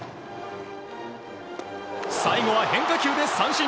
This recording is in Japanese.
最後は変化球で三振。